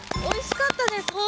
おいしかったです。